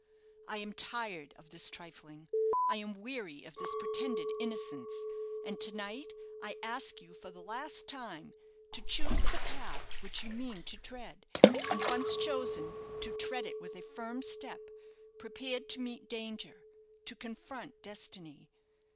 I am tired of this trifling; I am weary of this pretended innocence; and to night I ask you, for the last time, to choose the path which you mean to tread; and, once chosen, to tread it with a firm step, prepared to meet danger to confront destiny.